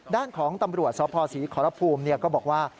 ด้านของตำรวจสภศรีขอรภูมิก็บอกว่า